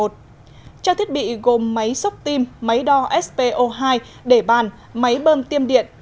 trang thiết bị gồm máy xốc tim máy đo spo hai đề bàn máy bơm tiêm điện